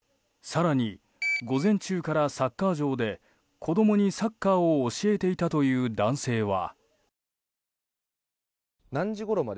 更に午前中からサッカー場で子供にサッカーを教えていたという男性は。